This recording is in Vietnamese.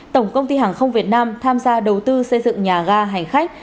tổng công ty hàng không việt nam tham gia đầu tư xây dựng nhà ga hành khách